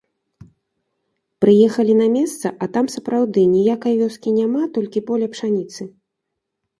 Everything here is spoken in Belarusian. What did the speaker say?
Прыехалі на месца, а там, сапраўды, ніякай вёскі няма, толькі поле пшаніцы.